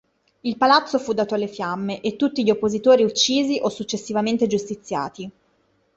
Il palazzo fu dato alle fiamme e tutti gli oppositori uccisi o successivamente giustiziati.